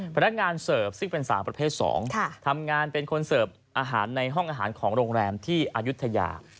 พนักงานเสิร์ฟซึ่งเป็นสาวประเภท๒ทำงานเป็นคนเสิร์ฟอาหารในห้องอาหารของโรงแรมที่อายุทยา